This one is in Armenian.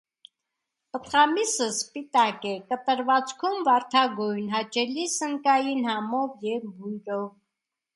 Պտղամիսը սպիտակ է, կտրվածքում՝ վարդագույն, հաճելի սնկային համով և բույրով։